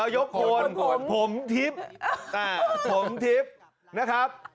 ยกโคนผมทิศผมทิศนะครับ